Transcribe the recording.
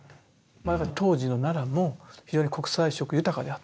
当時の奈良の非常に国際色豊かであったと。